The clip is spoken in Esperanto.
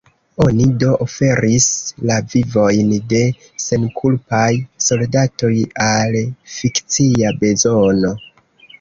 Oni do oferis la vivojn de senkulpaj soldatoj al fikcia bezono.